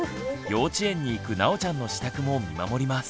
幼稚園に行くなおちゃんの支度も見守ります。